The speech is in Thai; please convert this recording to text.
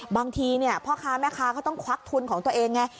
บางทีพ่อค้าแม่ค้าก็ต้องควักทุนของตัวเองไง